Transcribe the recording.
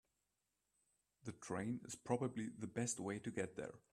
The train is probably the best way to get there.